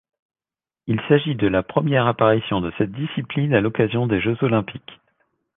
Il s'agit de la première apparition de cette discipline à l'occasion des Jeux olympiques.